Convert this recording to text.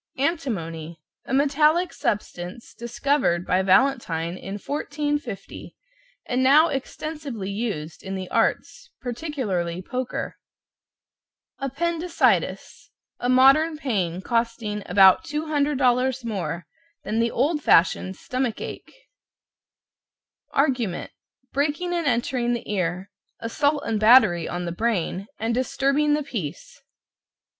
=ANTIMONY= A metallic substance discovered by Valentine in 1450, and now extensively used in the arts particularly poker. =APPENDICITIS= A modern pain, costing about $200 more than the old fashioned stomach ache. =ARGUMENT= Breaking and entering the ear, assault and battery on the brain and disturbing the peace.